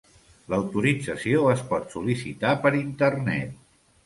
L'autorització es pot sol·licitar per Internet.